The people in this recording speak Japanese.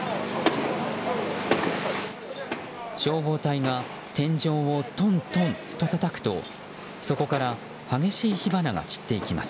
消防隊が天井をトントンとたたくとそこから激しい火花が散っていきます。